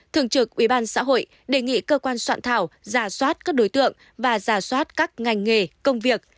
thượng trưởng ubnd xã hội đề nghị cơ quan soạn thảo giả soát các đối tượng và giả soát các ngành nghề công việc